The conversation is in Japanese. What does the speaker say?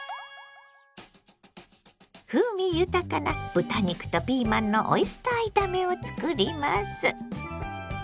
風味豊かな豚肉とピーマンのオイスター炒めをつくります。